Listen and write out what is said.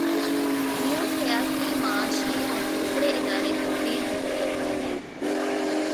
یوں سیاسی، معاشی اور دوسرے ادارے تبدیل ہونے لگتے ہیں۔